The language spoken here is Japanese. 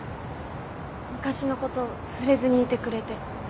昔のこと触れずにいてくれて。